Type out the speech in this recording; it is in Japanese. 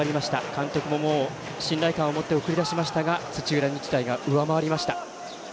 監督も信頼感を持って送り出しましたが土浦日大が上回りました。